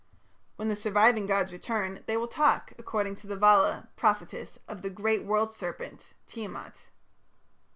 When the surviving gods return, they will talk, according to the Vala (prophetess), of "the great world serpent" (Tiamat).